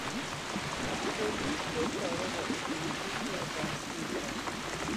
پلیس دو سارق اتومبیل را دستگیر کرد.